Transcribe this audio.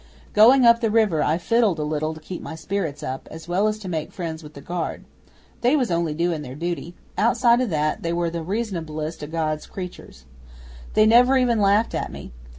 Going up the river I fiddled a little to keep my spirits up, as well as to make friends with the guard. They was only doing their duty. Outside o' that they were the reasonablest o' God's creatures. They never even laughed at me.